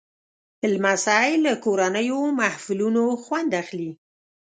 لمسی له کورنیو محفلونو خوند اخلي.